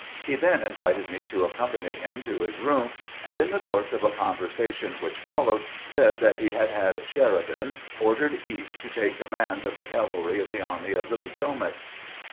He then invited me to accompany him to his room, and in the course of a conversation which followed said that he had had Sheridan ordered East to take command of the cavalry of the Army of the Potomac.